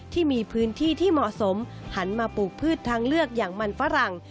ที่มีพื้นที่ที่เหมาะสมหันมาปลูกพืชทางเลือกอย่างมันฝรั่ง